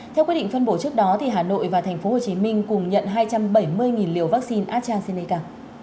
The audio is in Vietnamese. theo quyết định phân bổ trước đó hà nội và tp hcm cùng nhận hai trăm bảy mươi liều vaccine astrancineca